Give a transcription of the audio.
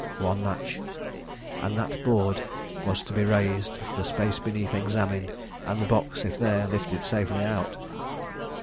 One match! and that board was to be raised, the space beneath examined, and the box, if there, lifted safely out.